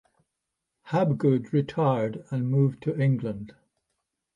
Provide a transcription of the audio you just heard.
Habgood retired and moved to England.